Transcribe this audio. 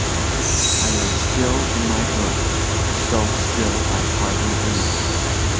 I lay still in my berth—so still I hardly breathed.